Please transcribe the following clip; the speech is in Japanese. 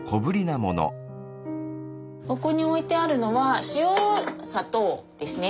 ここに置いてあるのは塩砂糖ですね。